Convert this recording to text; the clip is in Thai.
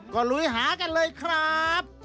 ก็ลุยหากันเลยครับ